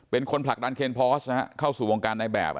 เป็นคนผลักดันเคนพอสเข้าสู่วงการในแบบ